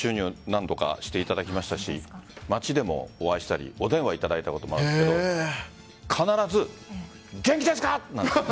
何度かしていただきましたし街でもお会いしたりお電話いただいたこともあるんですけど必ず、元気ですか！と。